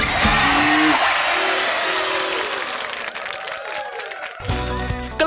กลับเข้าสู่รายการออบาตอร์มาหาสนุกกันอีกครั้งครับ